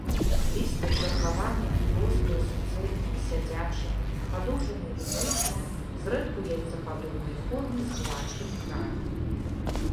Лісце чаргаванае, простае, суцэльнае, сядзячае, падоўжана-эліптычнае, зрэдку яйцападобнай формы, з гладкім краем.